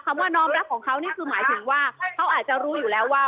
ว่าน้องรักของเขานี่คือหมายถึงว่าเขาอาจจะรู้อยู่แล้วว่า